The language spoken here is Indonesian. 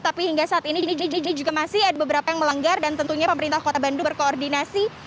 tapi hingga saat ini juga masih ada beberapa yang melanggar dan tentunya pemerintah kota bandung berkoordinasi